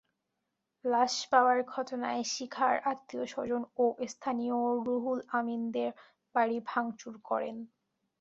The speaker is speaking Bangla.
লাশ পাওয়ার ঘটনায় শিখার আত্মীয়স্বজন ও স্থানীয়র রুহুল আমীনদের বাড়ি ভাঙচুর করেন।